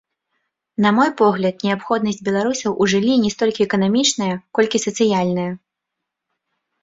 На мой погляд, неабходнасць беларусаў у жыллі не столькі эканамічная, колькі сацыяльная.